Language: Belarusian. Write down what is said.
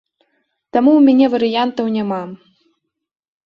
Таму ў мяне варыянтаў няма.